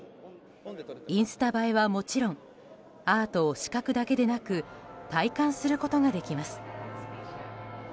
インスタ映えはもちろんアートを視覚だけでなく体感することができます。